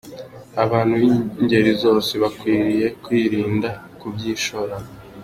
Abantu b’ingeri zose bakwiriye kwirinda kubyishoramo.